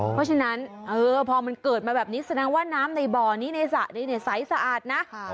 เพราะฉะนั้นพอมันเกิดมาแบบนี้แสดงว่าน้ำในบ่อนี้ในสระนี้ใสสะอาดนะ